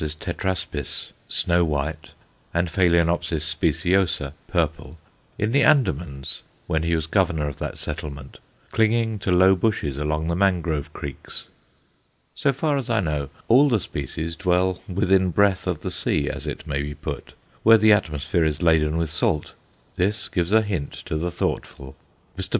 tetraspis_, snow white, and Ph. speciosa, purple, in the Andamans, when he was Governor of that settlement, clinging to low bushes along the mangrove creeks. So far as I know, all the species dwell within breath of the sea, as it may be put, where the atmosphere is laden with salt; this gives a hint to the thoughtful. Mr.